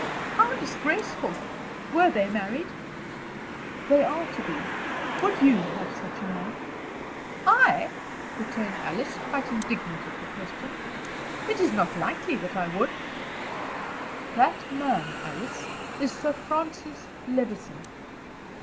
"How disgraceful! Were they married?" "They are to be. Would you have such a man?" "I!" returned Alice, quite indignant at the question. "It is not likely that I would." "That man, Alice is Sir Francis Levison."